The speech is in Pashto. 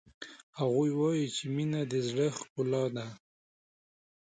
هغوی وایي چې مینه د زړه ښکلا ده